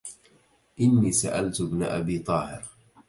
إني سألت ابن أبي طاهر